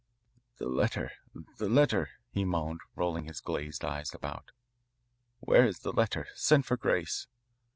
"The letter the letter," he moaned, rolling his glazed eyes about. "Where is the letter? Send for Grace."